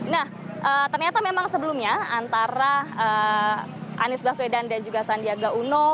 nah ternyata memang sebelumnya antara anies baswedan dan juga sandiaga uno